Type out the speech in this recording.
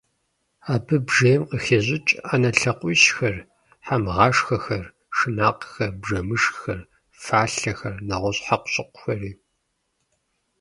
Абы бжейм къыхещӀыкӀ Ӏэнэ лъакъуищхэр, хьэмгъашхэхэр, шынакъхэр, бжэмышххэр, фалъэхэр, нэгъуэщӀ хьэкъущыкъухэри .